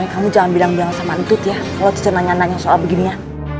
kamu jangan bilang biar sama netut ya kalau cece nanya nanya soal begininya